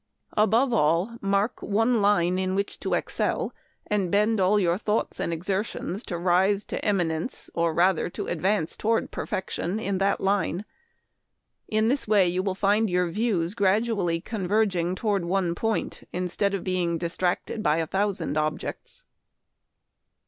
Above all, mark one line in which to excel, and bend all your thoughts and exertions to rise to eminence, or rather to ad vance toward perfection, in that line. In this way you will find your views gradually con Memoir of Washington Irving. 175 verging toward one point instead of being dis tracted by a thousand objects."